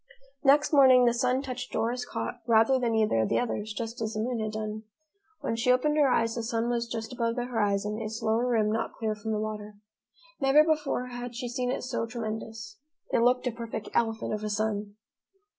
Next morning, the sun touched Dora's cot rather than either of the others, just as the moon had done. When she opened her eyes, the sun was just above the horizon, its lower rim not clear from the water. Never before had she seen it so tremendous! It looked a perfect elephant of a sun.